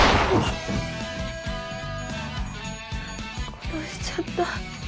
殺しちゃった。